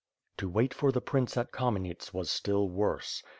To wait for the prince at Kamenets was still worse.